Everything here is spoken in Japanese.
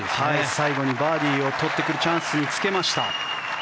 最後にバーディーを取ってくるチャンスにつけました。